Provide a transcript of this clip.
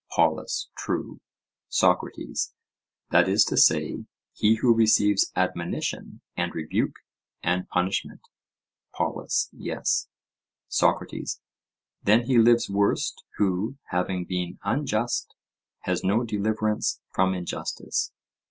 POLUS: True. SOCRATES: That is to say, he who receives admonition and rebuke and punishment? POLUS: Yes. SOCRATES: Then he lives worst, who, having been unjust, has no deliverance from injustice?